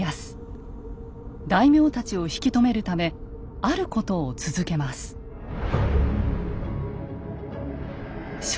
大名たちを引き止めるためあることを続けます。